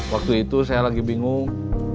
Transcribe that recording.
waktu itu saya lagi bingung